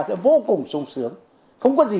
sẽ vô cùng sung sướng không có gì